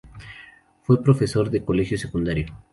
Fue profesor de colegio secundario.